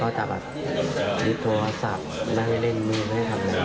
และถ้าไม่มีตัวสัตว์ผมก็จะเล่นก่อนที่ให้มองทันแม่ทำงาน